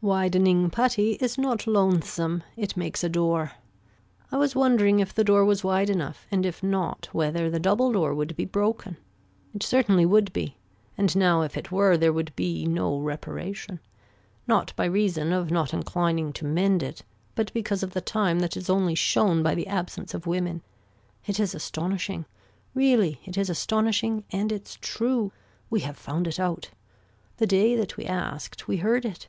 Widening putty is not lonesome. It makes a door. I was wondering if the door was wide enough and if not whether the double door would be broken. It certainly would be and now if it were there would be no reparation. Not by reason of not inclining to mend it but because of the time that is only shown by the absence of women. It is astonishing. Really it is astonishing and its true. We have found it out. The day that we asked we heard it.